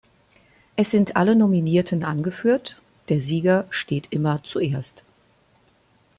Es sind alle Nominierten angeführt, der Sieger steht immer zuerst.